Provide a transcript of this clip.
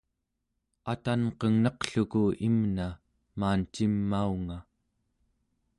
atanqengnaqluku imna maancimaunga